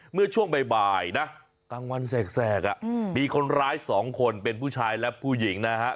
เมื่อช่วงบ่ายนะกลางวันแสกมีคนร้าย๒คนเป็นผู้ชายและผู้หญิงนะฮะ